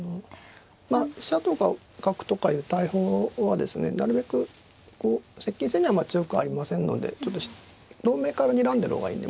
飛車とか角とかいう大砲はですねなるべくこう接近戦には強くありませんのでちょっと遠目からにらんでる方がいいんで。